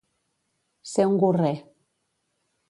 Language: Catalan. Ser un gorrer.